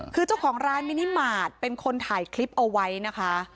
คือเจ้าของร้านมินิมาตรเป็นคนถ่ายคลิปเอาไว้นะคะ